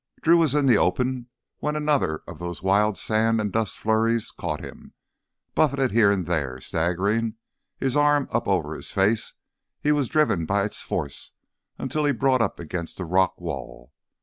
Drew was in the open when another of those wild sand and dust flurries caught him. Buffeted here and there, staggering, his arm up over his face, he was driven by its force until he brought up against a rock wall.